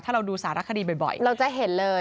ถ้าเราดูสารคดีบ่อยเราจะเห็นเลย